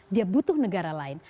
dia butuh negara lain